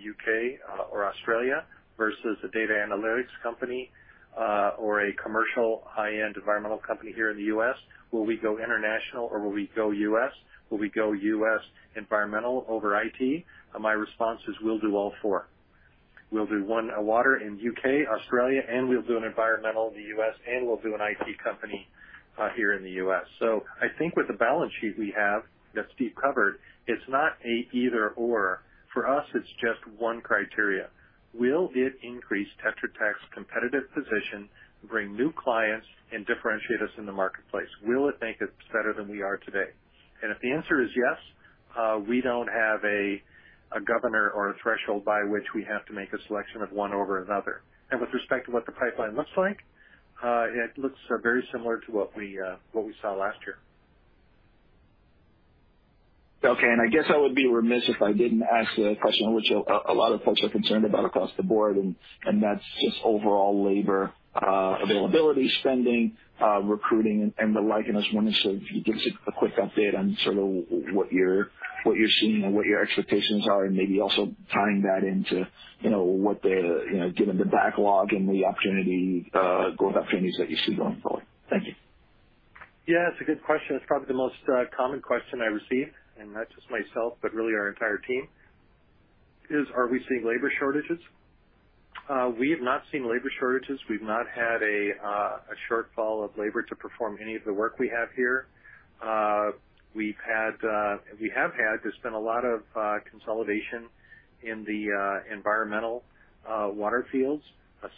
Speaker 2: U.K. or Australia versus a data analytics company or a commercial high-end environmental company here in the U.S., will we go international or will we go U.S.? Will we go U.S. environmental over IT? My response is we'll do all four. We'll do one water in U.K., Australia, and we'll do an environmental in the U.S., and we'll do an IT company here in the U.S. I think with the balance sheet we have, that Steve covered, it's not an either/or. For us, it's just one criteria. Will it increase Tetra Tech's competitive position, bring new clients, and differentiate us in the marketplace? Will it make us better than we are today? If the answer is yes, we don't have a governor or a threshold by which we have to make a selection of one over another. With respect to what the pipeline looks like, it looks very similar to what we saw last year.
Speaker 7: Okay. I guess I would be remiss if I didn't ask a question which a lot of folks are concerned about across the board, and that's just overall labor availability, spending, recruiting, and the like. I was wondering if you could give us a quick update on sort of what you're seeing and what your expectations are, and maybe also tying that into, you know, given the backlog and the opportunity, growth opportunities that you see going forward. Thank you.
Speaker 2: Yeah, it's a good question. It's probably the most common question I receive, and not just myself, but really our entire team, is, are we seeing labor shortages? We have not seen labor shortages. We've not had a shortfall of labor to perform any of the work we have here. We've had. We have had, there's been a lot of consolidation in the environmental water fields.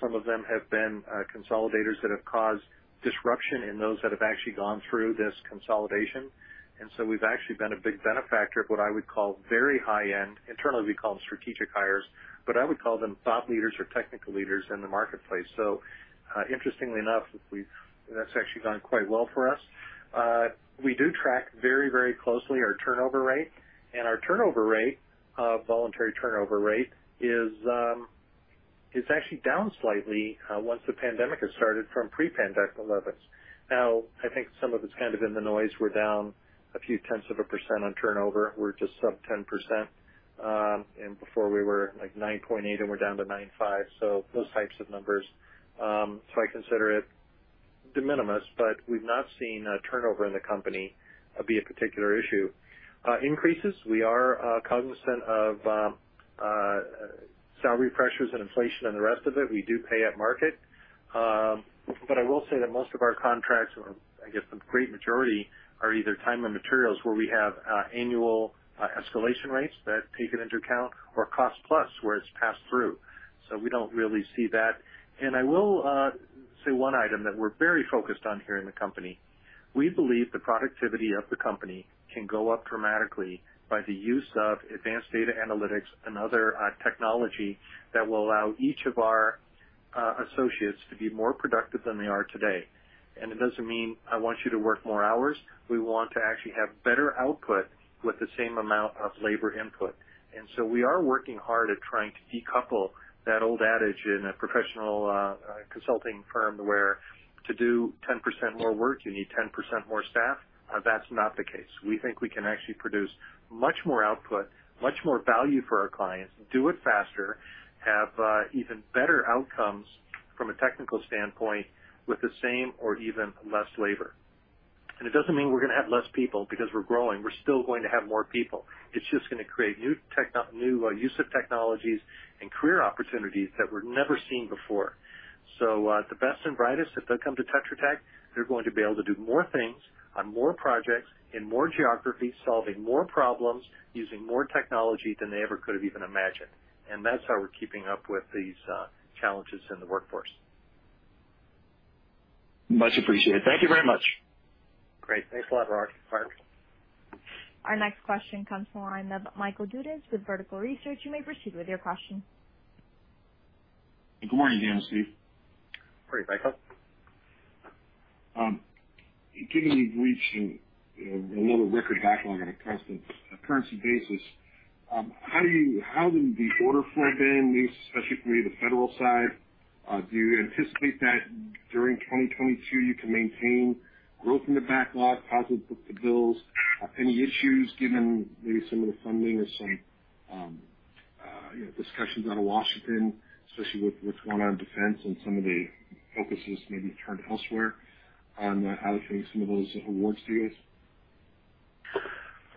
Speaker 2: Some of them have been consolidators that have caused disruption in those that have actually gone through this consolidation. We've actually been a big benefactor of what I would call very high-end, internally, we call them strategic hires, but I would call them thought leaders or technical leaders in the marketplace. Interestingly enough, that's actually gone quite well for us. We do track very, very closely our turnover rate, and our voluntary turnover rate is actually down slightly once the pandemic has started from pre-pandemic levels. Now, I think some of it's kind of in the noise. We're down a few tenths of a percent on turnover. We're just sub 10%. Before we were, like, 9.8%, and we're down to 9.5%, so those types of numbers. I consider it de minimis, but we've not seen turnover in the company be a particular issue. We are cognizant of increases, salary pressures and inflation and the rest of it. We do pay at market. I will say that most of our contracts, or I guess the great majority are either time and materials where we have annual escalation rates that take it into account or cost plus where it's passed through. We don't really see that. I will say one item that we're very focused on here in the company. We believe the productivity of the company can go up dramatically by the use of advanced data analytics and other technology that will allow each of our associates to be more productive than they are today. It doesn't mean I want you to work more hours. We want to actually have better output with the same amount of labor input. We are working hard at trying to decouple that old adage in a professional consulting firm, where to do 10% more work, you need 10% more staff. That's not the case. We think we can actually produce much more output, much more value for our clients, do it faster, have even better outcomes from a technical standpoint with the same or even less labor. It doesn't mean we're gonna have less people because we're growing, we're still going to have more people. It's just gonna create new use of technologies and career opportunities that were never seen before. The best and brightest, if they come to Tetra Tech, they're going to be able to do more things on more projects in more geographies, solving more problems, using more technology than they ever could have even imagined. That's how we're keeping up with these challenges in the workforce.
Speaker 7: Much appreciated. Thank you very much.
Speaker 2: Great. Thanks a lot, Marc.
Speaker 1: Our next question comes from the line of Michael Dudas with Vertical Research. You may proceed with your question.
Speaker 8: Good morning again, Steve.
Speaker 2: Great, Michael.
Speaker 8: Given you've reached, you know, another record backlog on a constant currency basis, how has the order flow been, maybe especially from either federal side? Do you anticipate that during 2022 you can maintain growth in the backlog, positive book-to-bills? Any issues given maybe some of the funding or some, you know, discussions out of Washington, especially with what's going on in defense and some of the focus has maybe turned elsewhere on how to change some of those awards to you guys?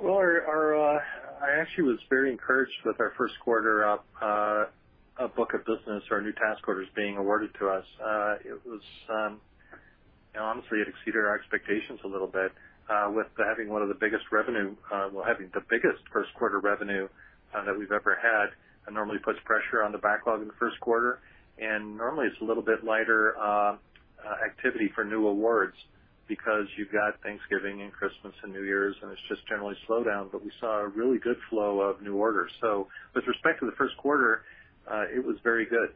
Speaker 2: Well, I actually was very encouraged with our first quarter book of business or new task orders being awarded to us. It was, you know, honestly, it exceeded our expectations a little bit with having one of the biggest revenue, well, having the biggest first quarter revenue that we've ever had. That normally puts pressure on the backlog in the first quarter, and normally it's a little bit lighter activity for new awards because you've got Thanksgiving and Christmas and New Year's, and it's just generally slowed down. We saw a really good flow of new orders. With respect to the first quarter, it was very good.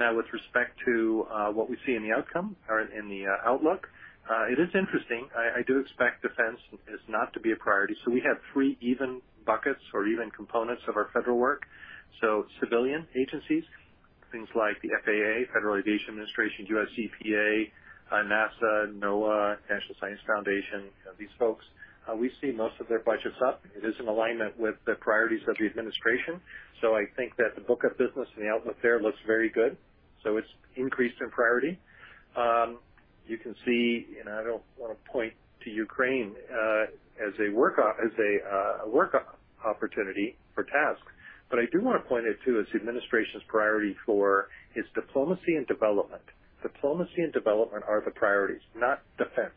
Speaker 2: Now, with respect to what we see in the outcome or in the outlook, it is interesting. I do expect defense not to be a priority. We have three even buckets or even components of our federal work. Civilian agencies, things like the FAA, Federal Aviation Administration, U.S. EPA, NASA, NOAA, National Science Foundation, these folks, we see most of their budgets up. It is in alignment with the priorities of the administration. I think that the book of business and the outlook there looks very good. It's increased in priority. You can see, and I don't want to point to Ukraine as a work opportunity for us, but I do want to point out the administration's priority is diplomacy and development. Diplomacy and development are the priorities, not defense.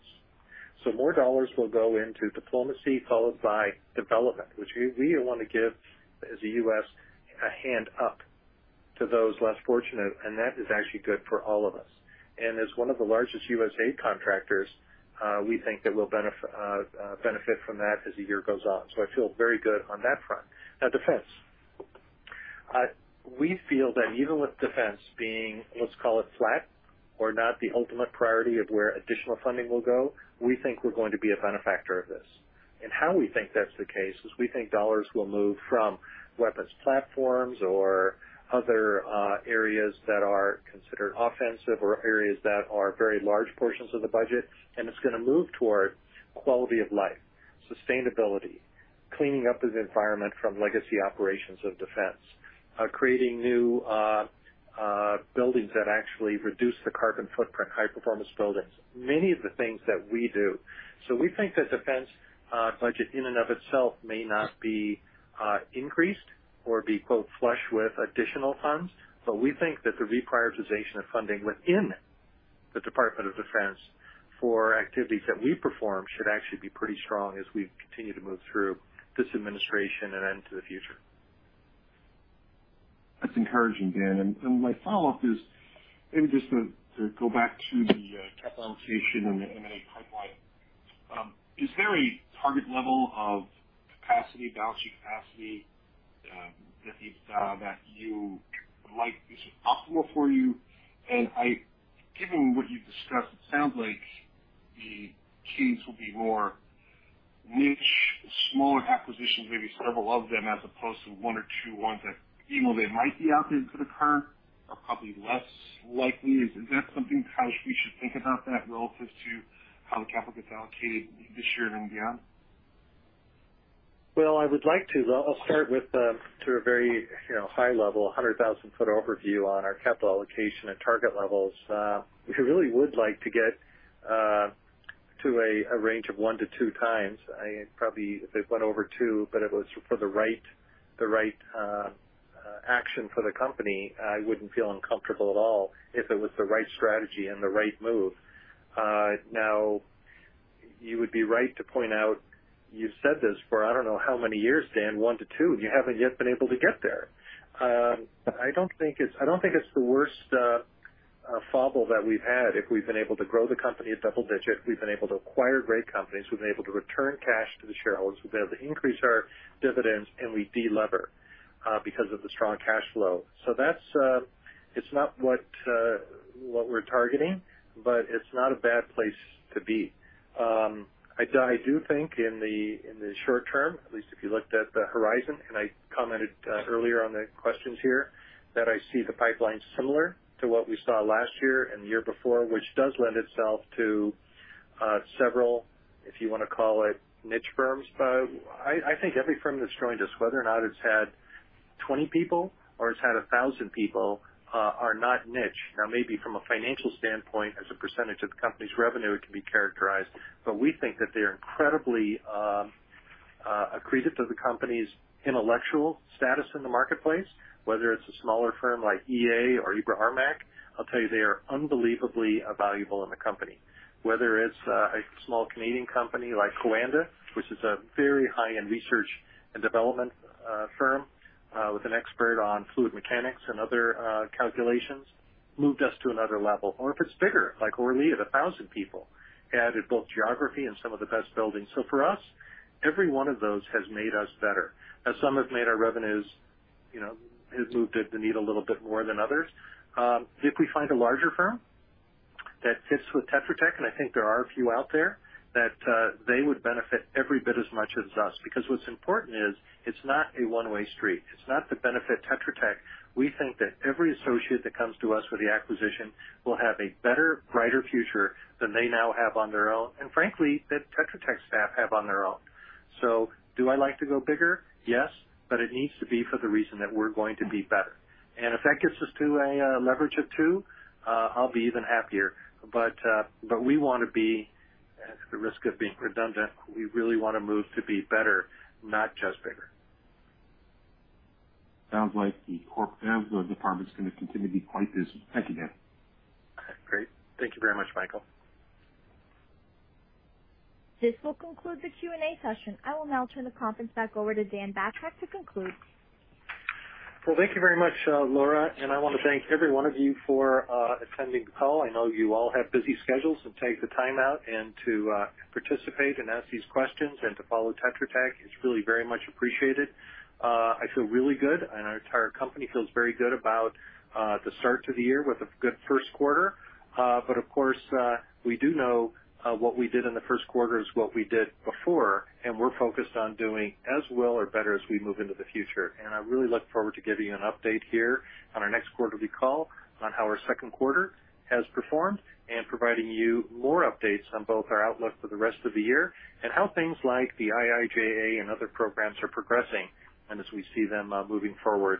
Speaker 2: More dollars will go into diplomacy followed by development, which we wanna give, as the U.S., a hand up to those less fortunate, and that is actually good for all of us. As one of the largest U.S. aid contractors, we think that we'll benefit from that as the year goes on. I feel very good on that front. Now, defense. We feel that even with defense being, let's call it flat or not, the ultimate priority of where additional funding will go, we think we're going to be a benefactor of this. How we think that's the case is we think dollars will move from weapons platforms or other areas that are considered offensive or areas that are very large portions of the budget, and it's gonna move toward quality of life, sustainability, cleaning up the environment from legacy operations of defense, creating new buildings that actually reduce the carbon footprint, high-performance buildings, many of the things that we do. We think the defense budget in and of itself may not be increased or be, quote, "flush with additional funds," but we think that the reprioritization of funding within the Department of Defense for activities that we perform should actually be pretty strong as we continue to move through this administration and into the future.
Speaker 8: That's encouraging, Dan. My follow-up is maybe just to go back to the capital allocation and the M&A pipeline. Is there a target level of capacity, balancing capacity, that you would like which is optimal for you? Given what you've discussed, it sounds like cases will be more niche, smaller acquisitions, maybe several of them, as opposed to one or two ones that even though they might be out there for the current, are probably less likely. Is that how we should think about that relative to how the capital gets allocated this year and beyond?
Speaker 2: Well, I would like to. I'll start with to a very, you know, high-level, 100,000-foot overview on our capital allocation and target levels. We really would like to get to a range of 1x-2x. I probably, if it went over two, but it was for the right action for the company, I wouldn't feel uncomfortable at all if it was the right strategy and the right move. Now, you would be right to point out, you've said this for I don't know how many years, Dan, one to two, and you haven't yet been able to get there. I don't think it's the worst fumble that we've had if we've been able to grow the company at double-digit. We've been able to acquire great companies. We've been able to return cash to the shareholders. We've been able to increase our dividends, and we de-lever because of the strong cash flow. That's not what we're targeting, but it's not a bad place to be. I do think in the short term, at least if you looked at the horizon, and I commented earlier on the questions here, that I see the pipeline similar to what we saw last year and the year before, which does lend itself to several, if you wanna call it niche firms. I think every firm that's joined us, whether or not it's had 20 people or it's had 1,000 people, are not niche. Now, maybe from a financial standpoint, as a percentage of the company's revenue, it can be characterized, but we think that they're incredibly accretive to the company's intellectual status in the marketplace, whether it's a smaller firm like EA or The Integration Group of Americas. I'll tell you, they are unbelievably valuable in the company. Whether it's a small Canadian company like Coanda, which is a very high-end research and development firm with an expert on fluid mechanics and other calculations, moved us to another level. Or if it's bigger, like Hoare Lea, a thousand people, added both geography and some of the best buildings. For us, every one of those has made us better, as some have made our revenues, you know, has moved the needle a little bit more than others. If we find a larger firm that fits with Tetra Tech, and I think there are a few out there, that they would benefit every bit as much as us because what's important is it's not a one-way street. It's not to benefit Tetra Tech. We think that every associate that comes to us with the acquisition will have a better, brighter future than they now have on their own, and frankly, that Tetra Tech staff have on their own. Do I like to go bigger? Yes. It needs to be for the reason that we're going to be better. If that gets us to a leverage of two, I'll be even happier. We wanna be, at the risk of being redundant, we really wanna move to be better, not just bigger.
Speaker 8: Sounds like the corporate development department's gonna continue to be quite busy. Thank you, Dan.
Speaker 2: Okay. Great. Thank you very much, Michael.
Speaker 1: This will conclude the Q&A session. I will now turn the conference back over to Dan Batrack to conclude.
Speaker 2: Well, thank you very much, Laura, and I wanna thank every one of you for attending the call. I know you all have busy schedules, so take the time out to participate and ask these questions and to follow Tetra Tech. It's really very much appreciated. I feel really good, and our entire company feels very good about the start to the year with a good first quarter. Of course, we do know what we did in the first quarter is what we did before, and we're focused on doing as well or better as we move into the future. I really look forward to giving you an update here on our next quarterly call on how our second quarter has performed and providing you more updates on both our outlook for the rest of the year and how things like the IIJA and other programs are progressing and as we see them moving forward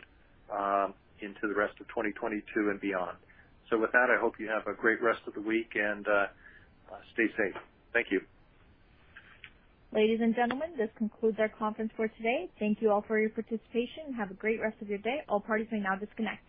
Speaker 2: into the rest of 2022 and beyond. With that, I hope you have a great rest of the week, and stay safe. Thank you.
Speaker 1: Ladies and gentlemen, this concludes our conference for today. Thank you all for your participation. Have a great rest of your day. All parties may now disconnect.